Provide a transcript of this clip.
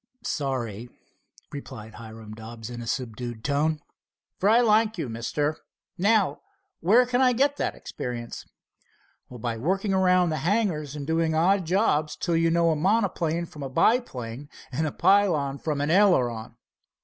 "Sorry," replied Hiram Dobbs in a subdued tone, "for I like you, mister. Now, where can I get that experience?" "By working around the hangars and doing odd jobs till you know a monoplane from a biplane, and a pylon from an aileron.